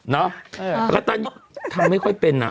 เนาะอักตันยูทำไม่ค่อยเป็นอะ